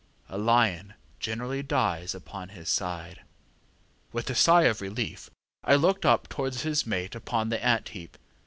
A lion generally dies upon his side. ŌĆ£With a sigh of relief I looked up towards his mate upon the ant heap.